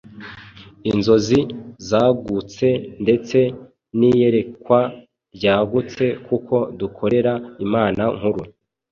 inzozi zagutse, ndetse n’iyerekwa ryagutse kuko dukorera Imana nkuru.